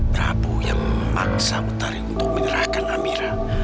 prabu yang memaksa mutari untuk menyerahkan amira